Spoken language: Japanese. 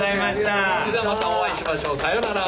それではまたお会いしましょう。さようなら。